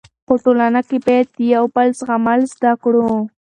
په ټولنه کې باید د یو بل زغمل زده کړو.